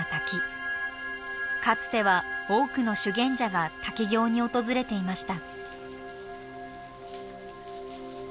かつては多くの修験者が滝行に訪れていました。